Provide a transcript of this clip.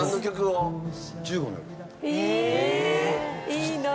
いいなあ。